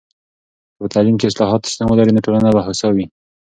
که په تعلیم کې اصلاحات شتون ولري، نو ټولنه به هوسا وي.